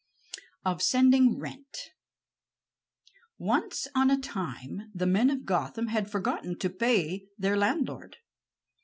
OF SENDING RENT Once on a time the men of Gotham had forgotten to pay their landlord.